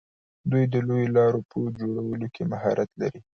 دوی د لویو لارو په جوړولو کې مهارت لري.